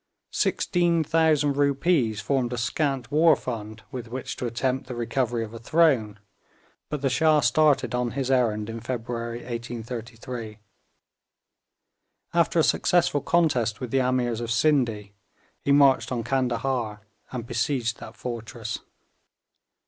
Sixteen thousand rupees formed a scant war fund with which to attempt the recovery of a throne, but the Shah started on his errand in February 1833. After a successful contest with the Ameers of Scinde, he marched on Candahar, and besieged that fortress.